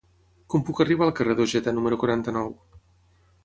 Com puc arribar al carrer d'Ojeda número quaranta-nou?